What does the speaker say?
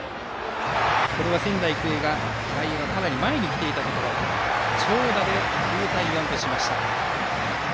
これは仙台育英の外野がかなり前に来ていたところ長打で９対４としました。